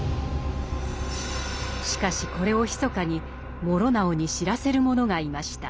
しかしこれをひそかに師直に知らせる者がいました。